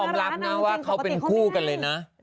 รับนะว่าเขาเป็นคู่กันเลยนะ